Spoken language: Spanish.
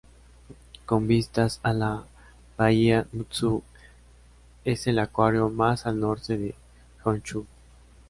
Con vistas a la bahía Mutsu, es el acuario más al norte de Honshū.